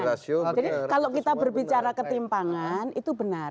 jadi kalau kita berbicara ketimpangan itu benar